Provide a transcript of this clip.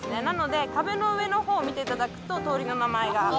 なので壁の上のほう見ていただくと通りの名前が。